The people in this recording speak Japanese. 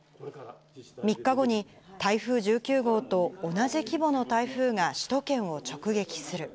３日後に、台風１９号と同じ規模の台風が首都圏を直撃する。